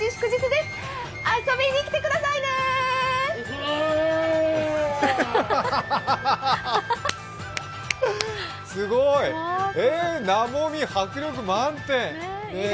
すごい！なもみ、迫力満点！